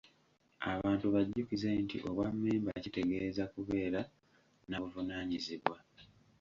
Abantu bajjukize nti obwammemba kitegeeza kubeera na buvunaanyizibwa.